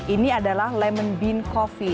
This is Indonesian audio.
ini adalah lemon bean coffee